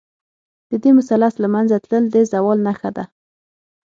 د دې مثلث له منځه تلل، د زوال نښه ده.